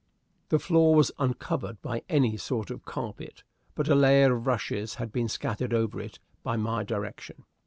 The floor was uncovered by any sort of carpet, but a layer of rushes had been scattered over it by my direction.